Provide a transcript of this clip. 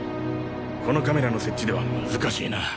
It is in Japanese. このカメラの設置では難しいな。